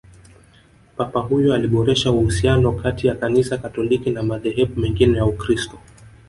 papa huyo aliboresha uhusiano kati ya kanisa katoliki na madhehebu mengine ya ukristo